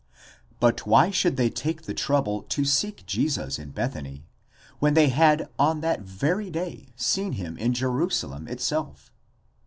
* But why should they take the trouble to seek Jesus in Bethany, when they had on that very day seen him in Jerusalem itself?